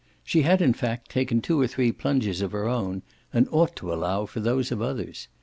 She had in fact taken two or three plunges of her own and ought to allow for those of others.